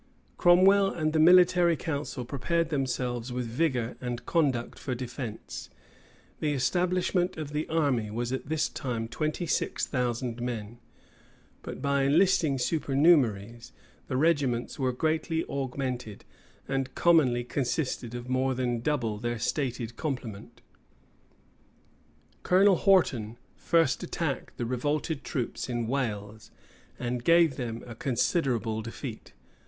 Cromwell and the military council prepared themselves with vigor and conduct for defence. The establishment of the army was at this time twenty six thousand men; but by enlisting supernumeraries the regiments were greatly augmented, and commonly consisted of more than double their stated complement.[*] * Whitlocke, p. 284. Colonel Horton first attacked the revolted troops in Wales, and gave them a considerable defeat.